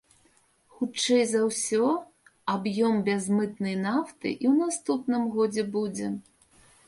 Хутчэй за ўсё, аб'ём бязмытнай нафты і ў наступным годзе будзе.